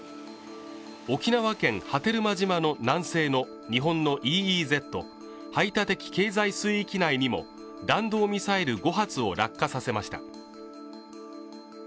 沖縄県波照間島の南西の日本のＥＥＺ＝排他的経済水域内にも弾道ミサイル５発を落下させました